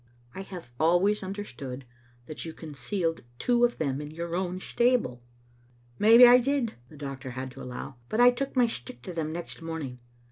" I have always understood that you concealed two of them in your own stable." "Maybe I did," the doctor had to allow. "But I took my stick to them next morning.